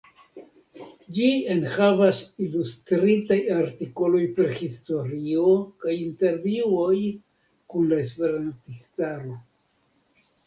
Ĝi enhavas ilustritaj artikoloj pri historio kaj intervjuoj kun la esperantistaro.